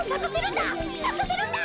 さかせるんだ